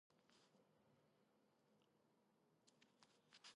საზრდოობს მიწისქვეშა, თოვლისა და წვიმის წყლით.